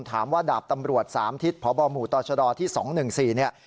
ถามว่าดาบตำรวจ๓ทิศพบหมู่ตชที่๒๑๔เนี่ย